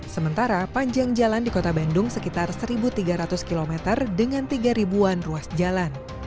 sementara panjang jalan di kota bandung sekitar satu tiga ratus km dengan tiga ribuan ruas jalan